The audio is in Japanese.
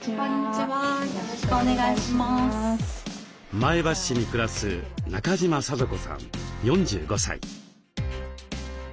前橋市に暮らす中島聖子さん４５歳。